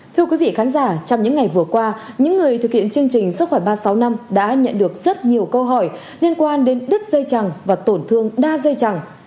thưa quý vị khán giả trong những ngày vừa qua những người thực hiện chương trình sức khỏe ba trăm sáu mươi năm đã nhận được rất nhiều câu hỏi liên quan đến đứt dây chẳng và tổn thương đa dây chẳng